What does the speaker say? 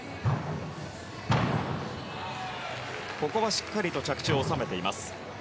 しっかりと着地を収めています。